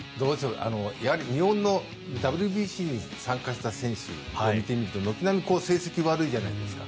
やはり日本のＷＢＣに参加した選手を見てみると軒並み成績悪いじゃないですか。